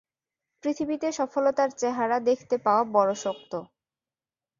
পৃথিবীতে সফলতার চেহারা দেখতে পাওয়া বড়ো শক্ত।